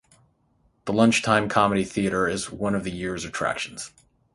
The lunchtime comedy theatre is one of the year's attractions.